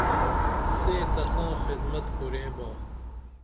سے تساں خدمت کُریباں